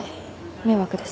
迷惑です。